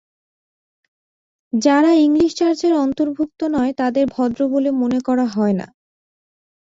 যারা ইংলিশ চার্চের অন্তর্ভুক্ত নয়, তাদের ভদ্র বলে মনে করা হয় না।